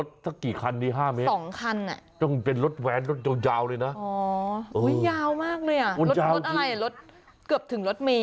ถูกต้องเนาะไม่ต้อง